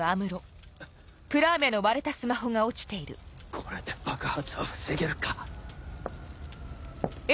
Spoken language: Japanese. これで爆発は防げるか？